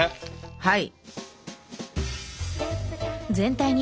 はい！